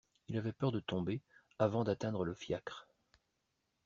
Il avait peur de tomber avant d'atteindre le fiacre.